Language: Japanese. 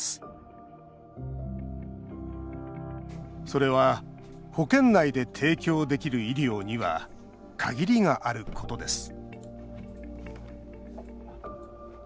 それは保険内で提供できる医療には限りがあることです